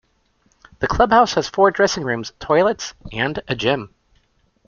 The clubhouse has four dressing rooms, toilets and a gym.